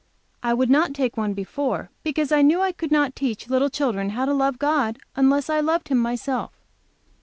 I would not take one before, because I knew I could not teach little children how to love God, unless I loved Him myself.